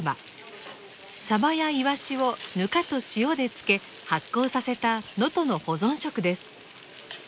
サバやイワシをぬかと塩で漬け発酵させた能登の保存食です。